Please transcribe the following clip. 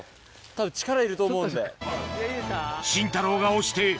たぶん力いると思うんで。